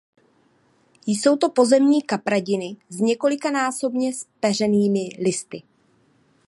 Jsou to pozemní kapradiny s několikanásobně zpeřenými listy.